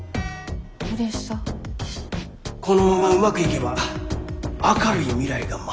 このままうまくいけば明るい未来が待ってるかもしれん。